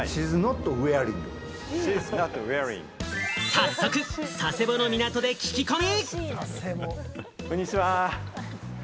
早速、佐世保の港で聞き込み。